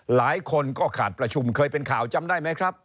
หลายคนก็ขาดประชุมเคยเป็นข่าวจำได้ไหมครับ